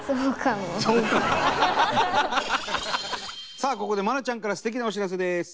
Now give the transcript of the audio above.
さあここで愛菜ちゃんから素敵なお知らせです。